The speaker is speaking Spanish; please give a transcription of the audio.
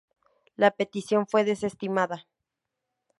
La petición fue desestimada.